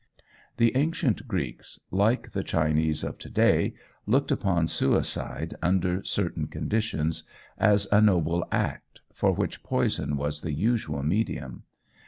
The ancient Greeks, like the Chinese of to day, looked upon suicide, under certain conditions, as a noble act, for which poison was the usual medium.